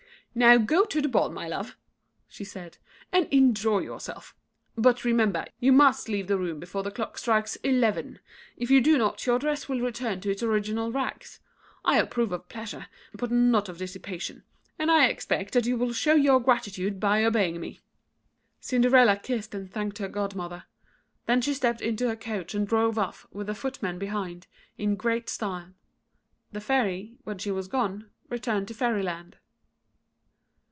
"Now go to the ball, my love," she said, "and enjoy yourself. But remember, you must leave the room before the clock strikes eleven. If you do not your dress will return to its original rags. I approve of pleasure, but not of dissipation, and I expect that you will show your gratitude by obeying me." Cinderella kissed and thanked her godmother. Then she stepped into her coach and drove off, with her footmen behind, in great style. The Fairy, when she was gone, returned to Fairyland.